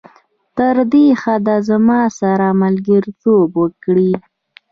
تر دې حده زما سره ملګرتوب وکړي.